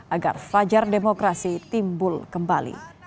agar fajar demokrasi timbul kembali